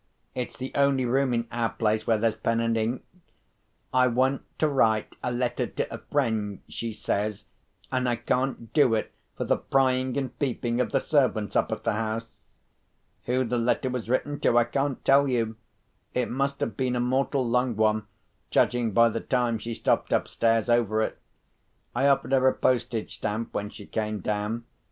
It's the only room in our place where there's pen and ink. 'I want to write a letter to a friend,' she says 'and I can't do it for the prying and peeping of the servants up at the house.' Who the letter was written to I can't tell you: it must have been a mortal long one, judging by the time she stopped upstairs over it. I offered her a postage stamp when she came down.